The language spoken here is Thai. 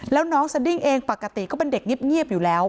แล้วน้องสดิ้งเองปกติก็เป็นเด็กเงียบอยู่แล้ว